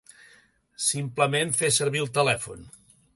Simplement fes servir el telèfon.